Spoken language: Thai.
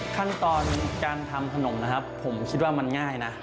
ขั้นตอนการทำขนมนะครับผมคิดว่ามันง่ายนะ